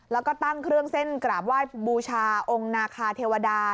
แล้วก็ตั้งเครื่องเส้นกราบไหว้บูชาองค์นาคาเทวดา